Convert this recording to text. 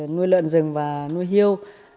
nuôi luận rừng và nuôi hưu